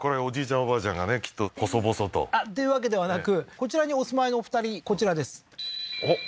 おばあちゃんがねきっと細々とっていうわけではなくこちらにお住まいのお二人こちらですあっ